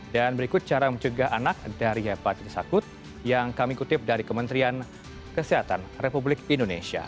dan berikut cara menjaga anak dari hepatitis akut yang kami kutip dari kementerian kesehatan republik indonesia